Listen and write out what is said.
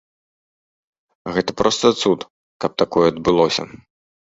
Гэта проста цуд, каб такое адбылося.